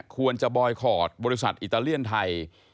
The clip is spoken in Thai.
ควรจะบอยคอร์ดบริษัทอิตาเลียนไทย